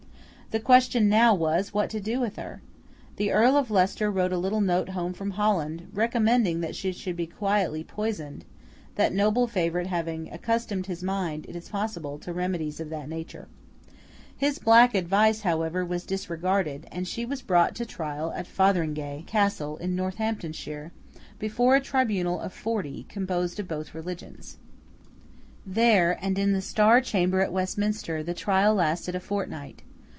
The question now was, what to do with her? The Earl of Leicester wrote a little note home from Holland, recommending that she should be quietly poisoned; that noble favourite having accustomed his mind, it is possible, to remedies of that nature. His black advice, however, was disregarded, and she was brought to trial at Fotheringay Castle in Northamptonshire, before a tribunal of forty, composed of both religions. There, and in the Star Chamber at Westminster, the trial lasted a fortnight.